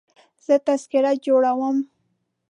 زه تذکره جوړوم.